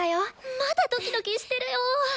まだドキドキしてるよ！